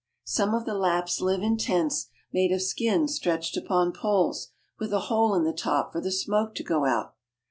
Some of the Lapps live in tents made of skins stretched upon poles, with a hole in the top for the smoke to go out.